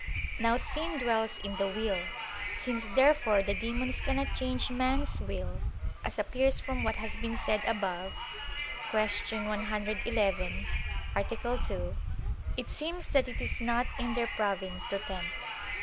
Now sin dwells in the will. Since therefore the demons cannot change man's will, as appears from what has been said above (Q. 111, A. 2), it seems that it is not in their province to tempt.